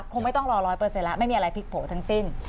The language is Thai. คงไม่ต้องรอ๑๐๐แล้วไม่มีอะไรพลิกโผล่ทั้งสิ้น